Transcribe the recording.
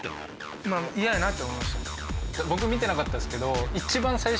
僕見てなかったですけど。